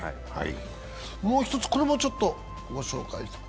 もう一つ、これもちょっと御紹介。